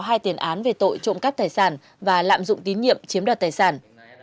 vũ đã có một tiền án về tội trộm cắp tài sản và lạm dụng tín nhiệm chiếm đoạt tài sản